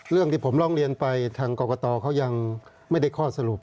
เรื่องที่ผมร้องเรียนไปทางกรกตเขายังไม่ได้ข้อสรุป